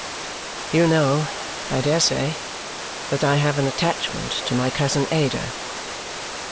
You know, I dare say, that I have an attachment to my cousin Ada?"